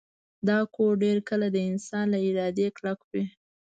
دا کوډ ډیر کله د انسان له ارادې کلک وي